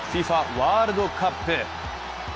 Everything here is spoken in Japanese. ワールドカップ。